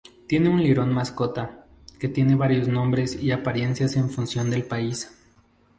Tiene un lirón mascota, que tiene varios nombres y apariencias en función del país.